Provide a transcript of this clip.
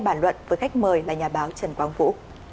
bản luận với khách mời là nhà báo trần quang vũ